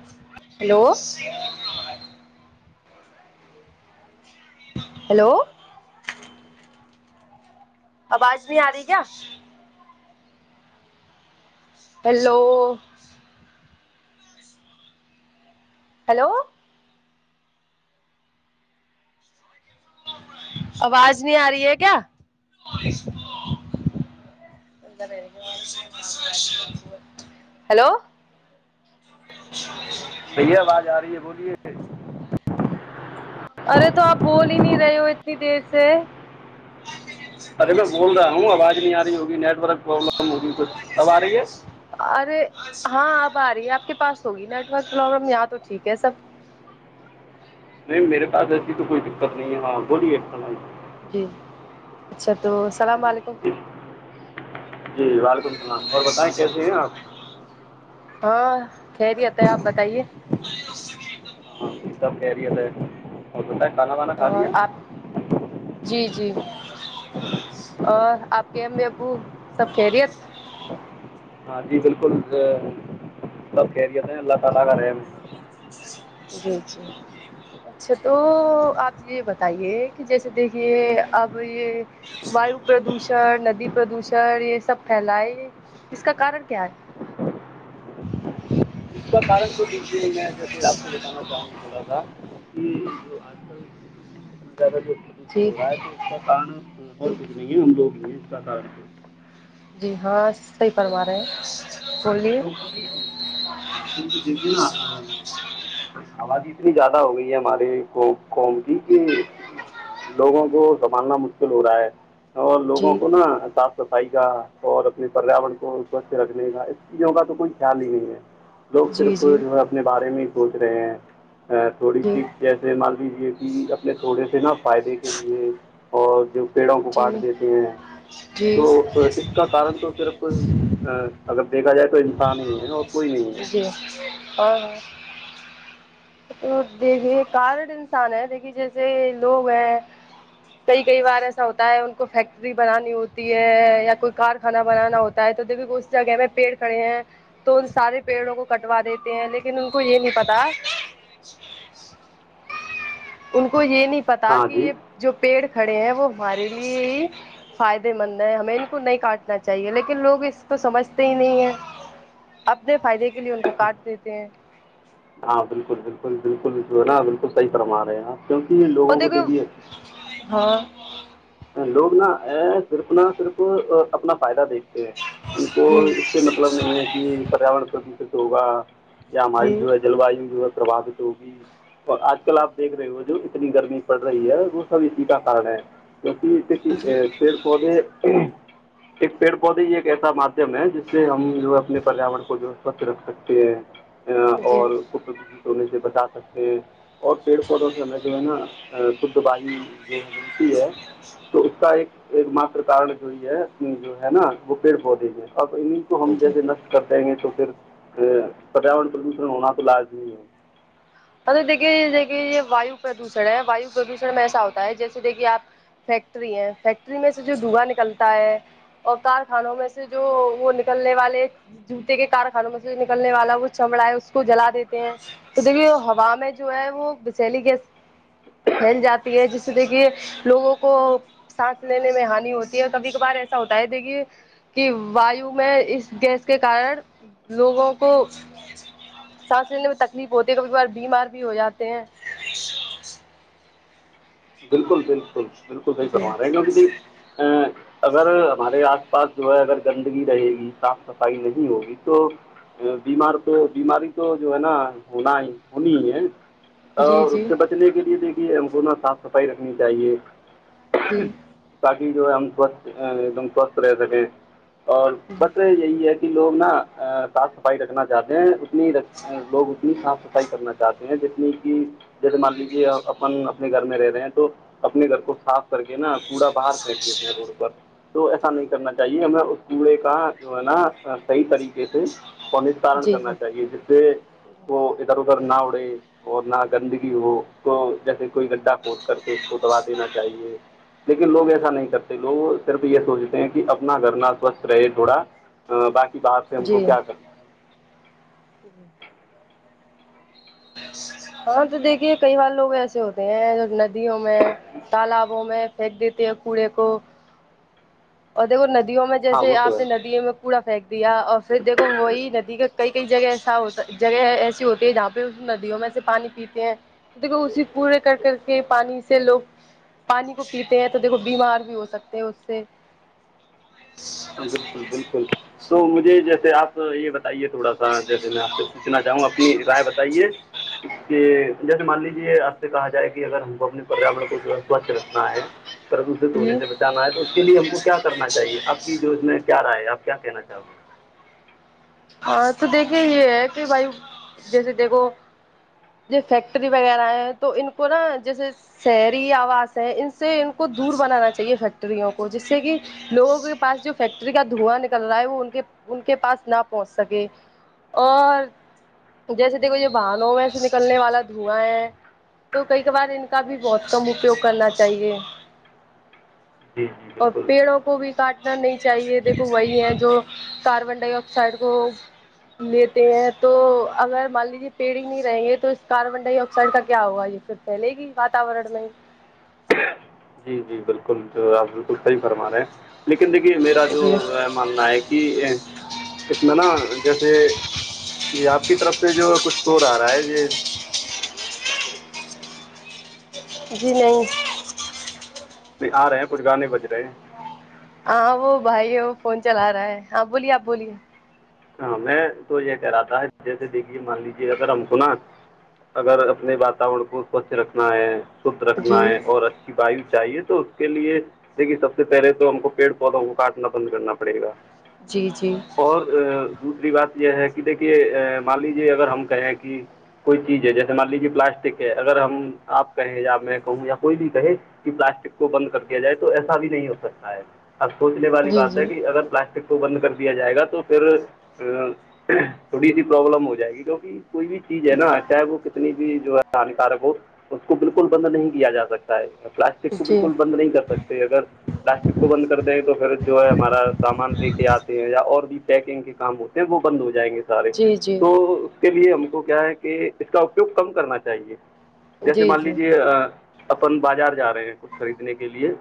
[unintelligible] hello آواز نہیں آ رہی کیا ہیلو ہیلو آواز نہیں آ رہی ہے کیا ہلو [inaudible] بھائی آواز آ رہی ہے بولیے ارے تو آپ بول ہی نہیں رہے ہو اتنی دیر سے ارے میں بول رہا ہوں آواز نہیں آ رہی ہوگی نیٹ ورک پرابلم ہوگی کچھ اب آ رہی ہے ارے ہاں اب آ رہی ہے آپ کے پاس ہوگی نیٹورک پروابلم یہاں تو ٹھیک ہے سب نہیںی میرے پاس ایسی تو کوئی دقت نہیں ہے ہاں بولیے جی اچھا تو السلام علیکم جی جی وعلیکم السلام اور بتائیں کیسے ہیں آپ ہاں کہہریی ہوتا ہے آپ بتائیے سیتاب کہہ رہی تھے ہو تو آپ جی جی اور آپ کے ابو سب خریت ہاں جی بالکل سب خیریت ہیں اللہ تعالی کا رھم جی جی اچھا تو آپ یہ بتائیے کہ جیسے دیکھیے اب یہ وایو پردوشن ندی پردوشن یہ سب پھیل ہے اس کا کارن کیا ہے اس کا کارن تو دی میں جیسے آپ کو بتانا چاہوں گا تھوڑا سا جو آج کل اتنا زیادہ جو پردوشن جی ہو رہا ہے تو اس کا کن اور جی نہیں ہم لوگ یہ ہیں کااتار جی ہاں صحیح فما رہے ہیں بولیے دیکے نا آبادی اتنی زیادہ ہو گئی ہے ہمارے قوم کی کہ لوگوں کو سنبھالنا مشکل ہو رہا ہے اور لوگوں جی کو نا صاف صفائی کا اور اپنے پریاورن کو اس کو اچھے رکھنے کا چیزوں کا تو کوئی خیال ہی نہیں ہے لوگ جی صرف جی جو ہے اپنے بارے میں ہی سوچ رہے ہیں تھوڑی جی جیسے مان لیجیے کہ اپنے تھوڑے سے نا فائدے کے لیے اور جو پیڑوں کو جی کاٹ دیتے ہیں تو جی اس کا کارن تو صرف اگر دیکھا جائے تو انسان ہی ہے اور کوئی نہیں ہے جی ہاں ہاں تو دیکھیے کارڈ انسان ہے دیکھیے جیسے لوگ ہیں کئی کئی بار ایسا ہوتا ہے ان کو فیکٹری بنانی ہوتی ہے یا کوئی کارخانہ بنانا ہوتا تو دو اس جگہ میں پیڑ کھڑے ہیں تو ان سارے پیڑوں کو کٹوا دیتے ہیں لیکن ان کو یہ نہیں پتا اچھا ان کو یہ نہیں پتا ہاں کہ جی یہ جو پیڑ کھڑے ہیں وہ ہمارے لیے ہی فائدے مند ہے ہمیں ان کو نہیں کاٹنا چاہیے لیکن لوگ اس کو سمجھتے ہی نہیں ہے اپنے فائدے کے لیے ان کو کاٹ دیتے ہیں ہاں بالکل بالکل بالکل جو ہے نا بالکل صحی فرما رہے ہیں آپ کیونکہ یہ اور لوگوں کو دیکھو دیکھیے ہاں لوگ نا صرف نہ صرف اپنا فائدہ دیکھتے ہیں ان کو جی سے مطلب نہیں ہے کہ پریاورن سسست ہوگا یا ہماری جی جو ہے جل وایو جو ہے پرباوت ہوگی اور آج کل آپ دیکھ رہے ہو جو نی گرمی پڑ رہی ہے وہ سب اسی کا کارن ہے کیکہ پڑ وہ بھی ایک پیڑ پودے ایک ایسا مادھیم ہے جس سے ہم جو ہے اپنے پریاورر کو جو ہے سوچھ رکھ سکتے ہیں جی جی اور کو پردوشت ہونے سے بچا سکتے ہیں اور پیڑ پودوں سے ہمیں جو ہے نا شھ وایو جو ہے ملتی ہے تو اس کا ایک ایک مات کارن جو یہ ہے جو ہے نا وہ پیڑ پودے میں اور انیں ہم جی جیسے نشٹ کرتےیں گے تو پھر پریاورن پردوشن ہونا تو لازمی ہے دیکے دیکھیے یہ وایو پردوشن ہے وایو پردوشن میں ایسا ہوتا ہے جیسے دیکھیے آپ فیکٹری ہے فیکٹری میں سے جو دھواںا نکلتا ہے اوتار خانوں میں سے جو وہ نکلنے والے جوتے کے کارخانوں میں سے جو نکلنے والا وہ چمڑا ہے اس کو جلا دیتے ہیں تو دیکھیے واں میں جو ہے وہ بسیلی کے پھیل جاتی ہے جس دیکھی لوگوں کو سانس لینے میں ہانی ہوتی ہے اور تبھی کبھار ایسا ہوتا ہے کہ کہ وایو میں اس گیس کے کارن لوگوں کو سانس لینے میں تکلیف ہوتی ہے کبھی کبھار بیمار بھی ہو جاتے ہیں بالکل بالکل بالکل بھائی بنوا رہے ہیں کیونکہ جائی ج [inaudible] اگر ہمارے آس پاس جو ہے اگر گندگی رہے گی صاف صفائی نہیں ہوگی تو بیمار تو بیماری تو جو ہے نا ہونا ہی ہونی ہی ہے جی اور اس جی سے بچنے کے لیے دیکھیے ہم کو نہ صاف صفائی رکھنی چاہیے جی تاکہ جو ہے ہم سوچھ ایک دم سوستھ رہ سکیں اور بٹ یہی ہے کہ لوگ نا صاف صفائی رکھنا چاہتے ہیں اتنی لوگ اتنی صاف صفائی کرنا چاہتے ہیں جتنی کہ جیسے مان لیجیے اپن اپنے گھر میں رہ رہے ہیں تو اپنے گھر کو صاف کر کے نا کوڑا باہر پھینک دیتے ہیں روڈ پر تو ایسا نہیں کرنا چاہیے ہمیں اس کوڑے کا جو ہے نا صحیح طریقے سے کو نسستارن جی جی کرنا چاہیے جس سے وہ ادھر ادھر نہ اڑے اور نہ گندگی ہو تو جیسے کوئی گڈھا کھ کر کے اس کو دوبا دینا چاہیے لیکن لوگ ایسا نہیں کرتے لوگ صرف یہ سوچتے ہیں کہ اپنا گھر نہ اسوچھ رہے تھوڑا باقی باہر سے ہم کو کیا کرنا ج [inaudible] ہاں تو دیکھیے کئی بار لوگ ایسے ہوتے ہیں ندیوں میں تالابوں میں پھینک دیتی ہے کوڑے کو اور دیکھو ندیوں میں ہاں جیسے وہ تو آپ ہے نے ندی میں کوڑا پھینک دیا اور پھر دیکھو وہی ندی کا کئی کئی جگہ ایسا ہوتا جگہ ایسی ہوتی ہے جہاں پہ ندیوں میں سے پانی پیتے ہیں دیکھو اسی پورے کر کر کے پانی سے لوگ پانی کو پیتے ہیں تو دیکھو بیمار بھی ہو سکتے ہیں اس سے بالکل بالکل تو مجھے جیسے آپ یہ بتا بتائیے تھوڑا سا جیسے میں آپ سے پوھنا چاہوں اپنی رائے بتائیے کہ جیسے مان لیجے آپ سے کہا جائے کہ اگر ہم کو اپنے پریاورن کووا سوچھ رکھنا ہے پررد سے جی سونے سے بچانا ہے تو اس کے لیے ہم کو کیا کرنا چاہیے آپ کی جو اس میں کیا رائے ہے آپ کیا کہنا چاہو گے ہاں تو دیکھے یہ ہے کہ بھائی جیسے دیکھو ج فیکٹری وغیرہ تو ان کو نا جیسے شہری آوس ہے ان سے ان کو دور بنانا چاہیے فیکٹریوں کو جس سے کہ لووں کے پاس جو فیکٹری کا دھواں نکل رہا ہے وہ ان کے پاس نہ پہنچ سکے اور جیسے دیکھو یہ بہانوں میں ایسے نکلنے والا دھواں ہے تو کئی کبار ان کا بھی بہت کم اپیوگ کرنا چاہیے جی [unintelligible] اور پیڑوں کو بھی کاٹنا نہیں چاہیے دیکھو وہی ہے جو کاربن ڈائی سائڈ کو [unintelligible] لیتے ہیں تو اگر مان لیجیے پیڑ ہی نہیں رہیں گے تو اس کاربن ڈائی آکسائڈ کا کیا ہوگا یہ پھر چلے گی واتاورن میں جی جی بالکل جو آپ بالکل صحیح فرما رہے ہیں لیکن دیکھیے میرا جو جی ماننا ہے کہ اتنا نا جیسے جی آپ کی طرف سے جو کچھ سور آ رہا ہے یہی جی نہیں نہیں آ رہے ہیں کچھ گار نہیں بج رہے ہیں ہاں وہ بھائی ہے فون چلا رہا ہے ہاں بولیے آپ بولیے ہاں میں تو یہ کہہ رہا تھا جیسے دیکھیے مان لیجے اگر ہم کو نا اگر اپنے واتاورن کو سوچھ رکھنا ہے شدھ رکھنا جی ہے اور اچھا وایو چاہیے تو اس کے لیے دیکن سب سے پہلے تو ہم کو پیڑ پودوں کو کاٹنا بند کرنا پڑے گا جی جی اور دوسری بات یہ ہے کہ دیکھیے مان لیجیے اگر ہم کہیں کہ کوئی چیز ہے جیسے مان لیجیے پلاسٹک ہے اگر ہم آپ کہیں یا میں کہوں یا کوئی بھی کہے کہ پلاسٹک کو بند کر دیا جائے تو ایسا بھی نہیں ہو سکتا ہے اب سوچنے والی جی بات ہے جی کہ اگر پلاسٹک کو بند کر دیا جائے گا تو پھر تھوڑی سی پرابلم ہو جائے گی کیونکہ کوئی بھی چیز ہے نا چاہے وہ کتنی بھی جو ہے ہانیکارک ہو اس کو بالکل بند نہیں کیا جا سکتا پلاسٹک کو جی بالکل بند نہیں کر سکتے اگر پلاسٹک کو بند کر دیں تو پھر جو ہے ہمارا سامان لے کے آتے ہیں یا اور بھی چیکنگ کے کام ہوتے ہیں وہ بند ہو جائیں گے سارے جی جی تو کے لیے ہم کو کیا ہے کہ اس کا اپیوگ کم کرنا چاہیے جی جیسے جی مان لیجیے اپن بازار جا رہے ہیں کچھ خریدنے کے لیے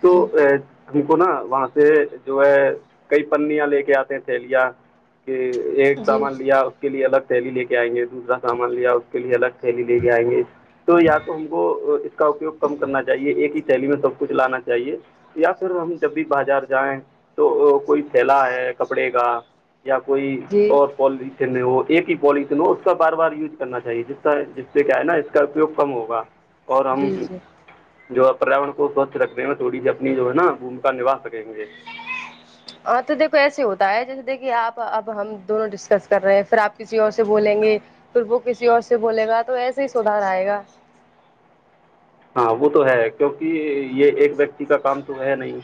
تو جی ا اھی کو نا وہاں سے جو ہے کئی پنیاں لے کے آتے ہیں تھیلیاں کہ ایک جی سامان لیا اس کے لیے الگ تھیلی لے کے آئیں گے دوسرا سامان لیا اس کے لیے الگ تھھیلی لیے جائیں گی تو یا تو ہم کو اس کا اپیوگ کم کرنا چاہیے ایک ہی شیلی میں سب کچھ لانا چاہیے یا پھر ہم جب بھی بازار جائیں تو کوئی تھیلا ہے کپڑے کا یا کوئی جی اور پالتن ہو ایک ہی پالیتن ہو اس کا بار بار یوج کرنا چاہیے جس ط جس پ سے کیا ہے نا اس کا اپیوگ کم ہوگا اور ہم جی جی جو پریاورن کو سوچھ رکھنے میں تھوڑی اپنی جو ہے نا بھومکا نوا سکیں گے ہاں تو دیکھو ایسے ہوتا ہے جیسے دیکھیے آپ اب ہم دونوں ڈسکس کر رہے ہیں پھر آپ کسی اور سے بولیں گے پھر وہ کسی اور سے بولے گا تو ایسے ہی سدار آئے گا ہاں وہ تو ہے کیونکہ یہ ایک ویکتی کا کام تو ہے نہیں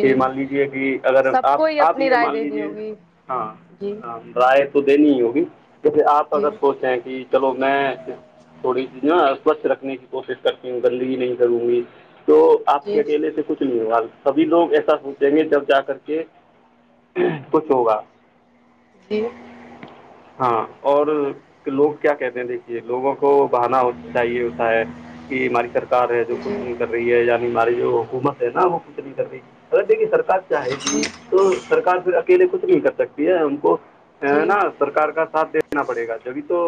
کہ مان لیجے کہ اگر سب کو آپ ہی آپ اپنی یہ رائے مان دینی لیجیے ہوگی ہاں جی ہاں رائے تو دینی ہی ہوگی کیکہ آپ جی اگر سوچ رہ ہیں کہ چلو میں تھوڑی سی نا سوچھ رکھنے کی کوشش کرتی ہوں گندگی نہیں کروں گی تو آپ کے جی اکیلے سے کچھ نہیں ہوگا بھی لوگ ایسا سوچیں گے جب جا کر کے کچھ ہوگا جی ہاں اور لوگ کیا کہتے ہیں دیکھیے لوگوں کو بہانا چاہیے ہوتا ہے کہ ہماری سرکار ہے جو جی کچھ نہیں کر رہی ہے یعنی ہماری جو حکومت ہے نا وہ کچھ نہیں کر رہی اگر دیکھیے سرکار چاہے بھی جی تو سرک پھر اکیلے کچھ نہیں کر سکتی ہے ان کو جی نا سرار کا ساتھ دینا پڑے گا جبھی تو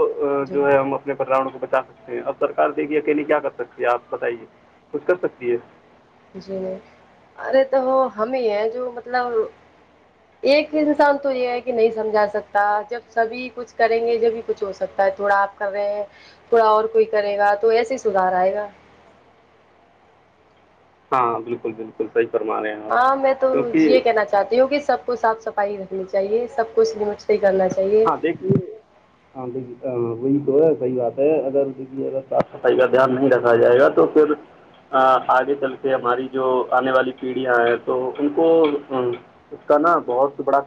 جی جو ہے ہم اپنے پرا کو بچا سکتے ہیں اب سرار دیک گی اکیلی کیا کر سکتی ہے آپ بتائیے کچھ کر سکتی ہے جی نہیں ارے تو ہم ہی ہیں جو مطلب ایک انسان تو یہ ہے کہ نہیں سمجھا سکتا جب سبھی کچھ کریں گے جب کچھ ہو سکتا ہے تھوڑا آپ کر رہے ہیں تھوڑا اور کوئی کرے گا تو ایسے ہی سدھار آئے گا ہاں بالکل بالکل صحی فرمانے ہیں ہاں میں تو آپ کیونکہ یہ کہنا چاہوں چاہتی ہوں کہ سب کو صاف صفائی رکھنی چاہیے سب کو سمچی کرنا چاہیے ہاں دیکھیے ہاں وہی تو ہے صحیح بات ہے اگر دیکھیے اگر صاف صفائی کا دھیان نہیں رکھا جائے گا تو پھر آگے چل کے ہماری جو آنے والی پیڑھیاں ہیں تو ان کو اس کا نا بہت بڑا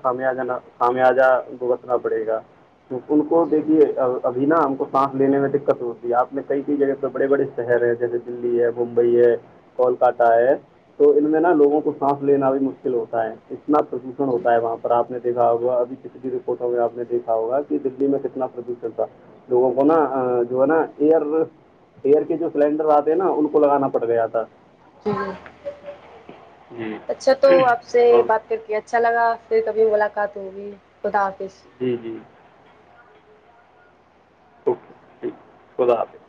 خمیا جہ گگتنا پڑے گا ان کو جی دیکھیے ابھی نا ہم کو سانس لینے میں دقت ہوتی ہے آپ نے کئی کئی جگہ پرہ بڑے بڑے شہر ہے جیسے دلی ہے ممبئی ہے کولکاتہ ہے تو ان میں نا لووں کو سانس لینا بھی مشکل ہوتا ہے اتنا پردوشن جی ہوتا ہے وہاں پہ اور آپ نے دیکا ہوگا ابھی پچھلی رپورٹوں میں آپ نے دیکا ہوگا کہ دللی میں کتنا پردوشن تھا لوگوں کو نا جو ہے نا ایئر ایئر کے جو سلینڈر آتے نا ان کو لگانا پڑ گیا تھا [inaudible] اچھا تو آپ سے بات کر کے اچھا لگا پھر کبھی ملاقات ہوگی خدا حافظ جی جی اوکے ٹھیک ہے خدا حافظ